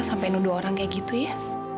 sampai nuduh orang kayak gitu ya